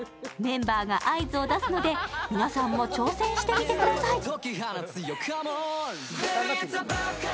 メンバーが合図を出すので、皆さんも挑戦してみてください。